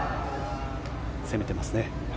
攻めてますね。